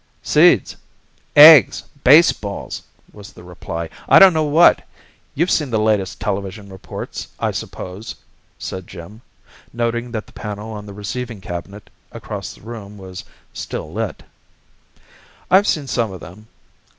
"Seeds! Eggs! Baseballs!" was the reply, "I don't know what. You've seen the latest television reports, I suppose?" said Jim, noting that the panel on the receiving cabinet across the room was still lit. "I've seen some of them.